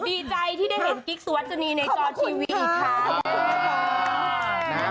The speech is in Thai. ดีใจที่ได้เห็นกิ๊กสุวัสจนีในจอทีวีอีกครั้ง